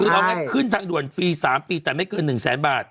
เจ็ดหมื่น